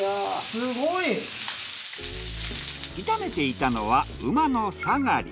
すごい！炒めていたのは馬のさがり。